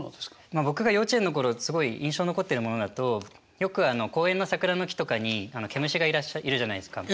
まあ僕が幼稚園の頃すごい印象に残ってるものだとよく公園の桜の木とかにケムシがいらっしゃるいるじゃないですか。